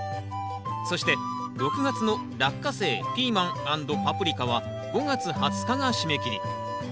そして６月の「ラッカセイ」「ピーマン＆パプリカ」は５月２０日が締め切り。